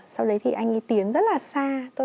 sau đấy thì anh ấy tiến rất là xa